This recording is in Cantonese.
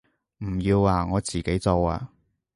唔要啊，我自己做啊